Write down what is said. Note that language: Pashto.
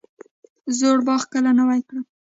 زوړ باغ کله نوی کړم؟